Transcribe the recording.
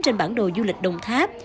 trên bản đồ du lịch đồng tháp